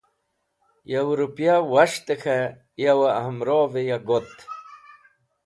Yo rũpya was̃htẽ k̃hẽ yo amrovẽ ya got.